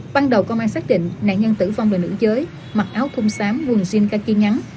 ban đầu công an xác định nạn nhân tử vong là nữ giới mặc áo thun xám quần jean khaki ngắn